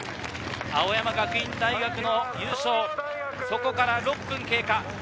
青山学院大学の優勝、そこから６分経過。